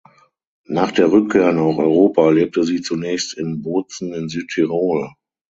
Nach der Rückkehr nach Europa lebte sie zunächst in Bozen in Südtirol.